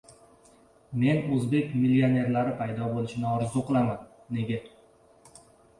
Men o‘zbek millionerlari paydo bo‘lishini orzu qilaman. Nega?